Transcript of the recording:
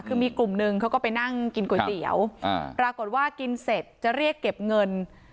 คือมีกลุ่มนึงเขาก็ไปนั่งกินก๋วยเตี๋ยวปรากฏว่ากินเสร็จจะเรียกเก็บเงิน